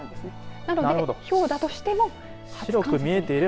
なので、ひょうだとしても初冠雪。